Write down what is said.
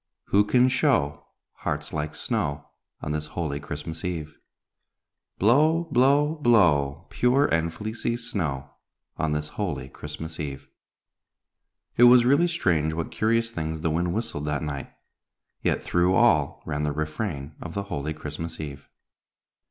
Who can show Hearts like snow, On this holy Christmas Eve? Blow, blow, blow! Pure and fleecy snow, On this holy Christmas Eve." It was really strange what curious things the wind whistled that night, yet through all ran the refrain of the holy Christmas Eve.